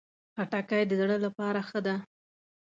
خټکی د زړه لپاره ښه ده.